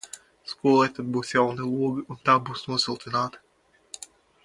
Skolai tad būs jauni logi, un tā būs nosiltināta.